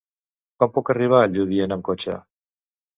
Com puc arribar a Lludient amb cotxe?